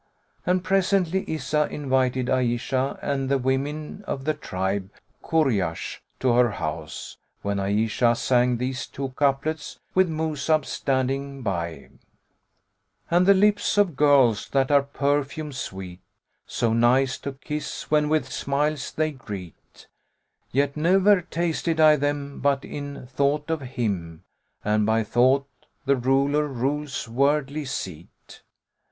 And presently Izzah invited Ayishah and the women of the tribe Kuraysh to her house, when Ayishah sang these two couplets with Mus'ab standing by, "And the lips of girls, that are perfume sweet; * So nice to kiss when with smiles they greet: Yet ne'er tasted I them, but in thought of him; * And by thought the Ruler rules worldly seat."